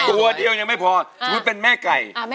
ตัวเดียวยังไม่พอคุณเป็นแม่ไก่